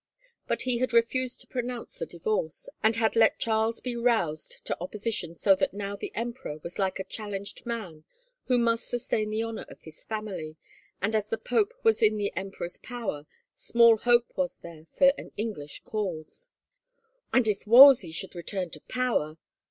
But he had refused to pronounce the divorce, and had let Charles be roused to opposition so that now the emperor was like a challenged man who must sustain the honor of his family, and as the pope was in the emperor's power, small hope was there for an English cause! And if Wolsey should return to power!